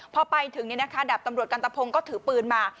พอไปถึงดับตำรวจกันตะพงก็ถือปืนมา